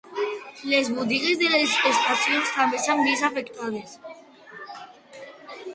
Les botigues de les estacions també s'han vist afectades.